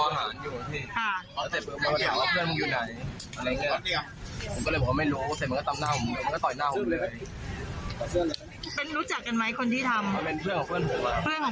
เพื่อนของเพื่อน